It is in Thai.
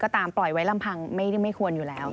ตามปล่อยไว้ลำพังไม่ควรอยู่แล้ว